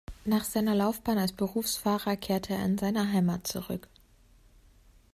Nach seiner Laufbahn als Berufsfahrer kehrte er in seine Heimat zurück.